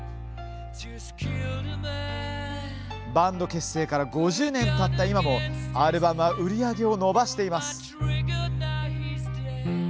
バンド結成から５０年たった今もアルバムは売り上げを伸ばしています。